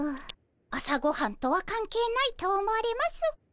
朝ごはんとは関係ないと思われます。